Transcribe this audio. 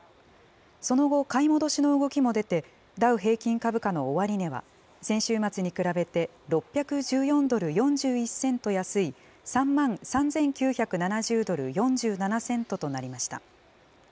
その後、買い戻しの動きも出て、ダウ平均株価の終値は、先週末に比べて６１４ドル４１セント安い、３万３９７０ドル４７セントとなりました。